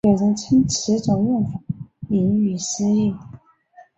有人称此种用法引喻失义。